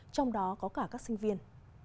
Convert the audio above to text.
trong đó có cả các sinh viên